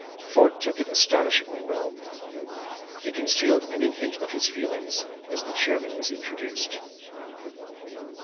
Fort took it astonishingly well. He concealed any hint of his feelings as the chairman was introduced.